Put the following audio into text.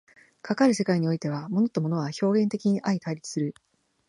かかる世界においては、物と物は表現的に相対立する。